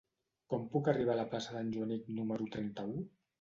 Com puc arribar a la plaça d'en Joanic número trenta-u?